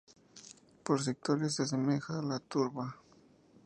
Por sectores se asemeja a la turba.